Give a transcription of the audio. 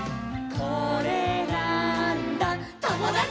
「これなーんだ『ともだち！』」